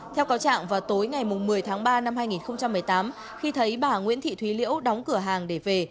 theo cáo trạng vào tối ngày một mươi tháng ba năm hai nghìn một mươi tám khi thấy bà nguyễn thị thúy liễu đóng cửa hàng để về